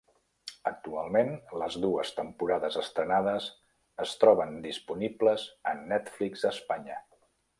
Actualment, les dues temporades estrenades es troben disponibles a Netflix Espanya.